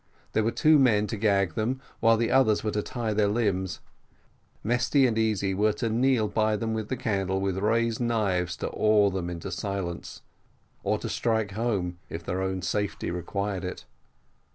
There were two men to gag them while the others were to tie their limbs. Mesty and Easy were to kneel by them with the candle, with raised knives to awe them into silence, or to strike home, if their own safety required it.